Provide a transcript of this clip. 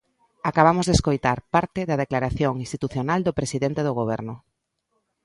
Acabamos de escoitar parte da declaración institucional do presidente do Goberno.